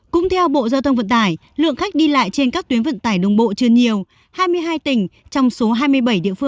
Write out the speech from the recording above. cũng theo bộ giao thông vận tải lượng khách đi lại trên các tuyến vận tải đồng bộ chưa nhiều